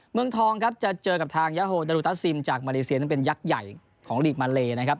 เมืองทองครับจะเจอกับทางยาโฮดารุตัสซิมจากมาเลเซียซึ่งเป็นยักษ์ใหญ่ของลีกมาเลนะครับ